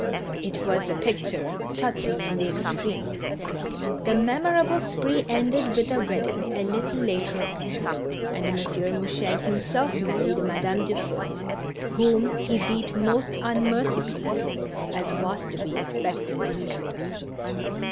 It' was a picture touching in the extreme. The memorable spree ended with a wedding a little later on, and M. Mouchel himself married Madame Dufeu, whom he beat most unmercifully, as was to bo expected.